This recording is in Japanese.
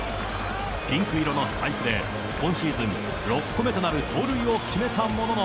ピンク色のスパイクで今シーズン６個目となる盗塁を決めたものの、